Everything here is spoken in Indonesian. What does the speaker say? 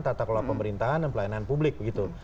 tata kelola pemerintahan dan pelayanan publik begitu